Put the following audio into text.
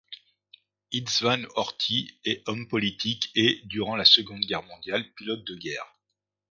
István Horthy est homme politique et, durant la Seconde Guerre mondiale, pilote de guerre.